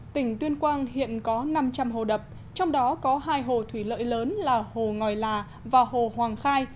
tỉnh tuyên quang hiện có năm trăm linh hồ đập trong đó có hai hồ thủy lợi lớn là hồ ngòi là và hồ hoàng khai